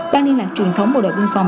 ban liên lạc truyền thống bộ đội biên phòng